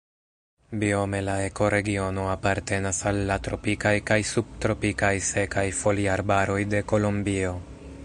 Biome la ekoregiono apartenas al la tropikaj kaj subtropikaj sekaj foliarbaroj de Kolombio.